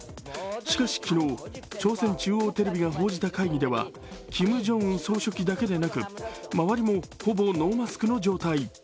しかし、昨日、朝鮮中央テレビが報じた会議では、キム・ジョンウン総書記だけでなく周りもほぼノーマスクの状態。